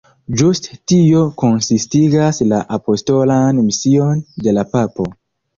Ĝuste tio konsistigas la apostolan mision de la papo.